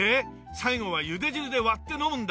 最後はゆで汁で割って飲むんだ。